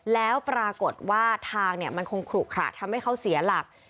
แล้วปรากฏว่าทางมันคงขลุขระทำให้เขาเสียหลัก